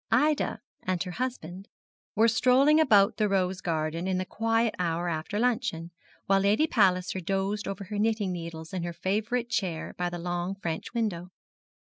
Ida and her husband were strolling about the rose garden in the quiet hour after luncheon, while Lady Palliser dozed over her knitting needles in her favourite chair by the long French window.